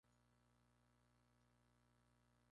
Fue obra del arquitecto Joaquín Saldaña.